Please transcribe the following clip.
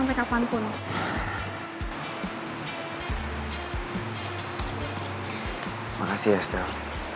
terima kasih esther